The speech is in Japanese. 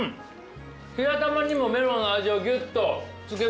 白玉にもメロンの味をギュッと漬け込んでる。